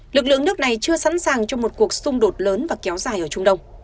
lực lượng nước này chưa sẵn sàng cho một cuộc xung đột lớn và kéo dài ở trung đông